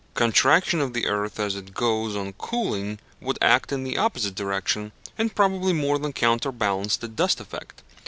Contraction of the earth as it goes on cooling would act in the opposite direction, and probably more than counterbalance the dust effect.